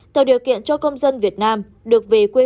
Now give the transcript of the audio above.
tạo điều kiện cho công dân việt nam được về quê